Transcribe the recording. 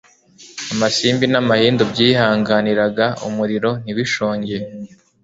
amasimbi n'amahindu byihanganiraga umuriro ntibishonge